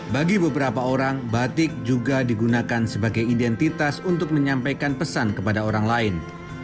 bagi beberapa orang batik juga digunakan sebagai identitas untuk menyampaikan pesan kepada orang lain